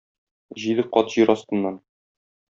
Җиде кат җир астыннан.